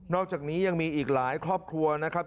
อกจากนี้ยังมีอีกหลายครอบครัวนะครับ